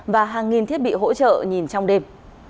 và hàng nghìn thiết bị hỗ trợ nhìn trong đêm